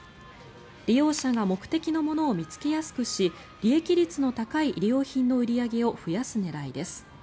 利用者が目的のものを見つけやすくし利益率の高い衣料品の売り上げを増やす狙いです。